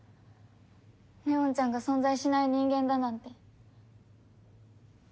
祢音ちゃんが存在しない人間だなんて。